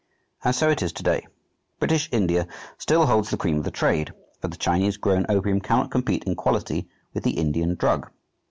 And so it is to day. British India still holds the cream of the trade, for the Chinese grown opium cannot compete in quality with the Indian drug.